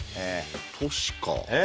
都市か。